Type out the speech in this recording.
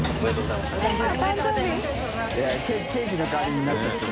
いケーキの代わりになっちゃってる。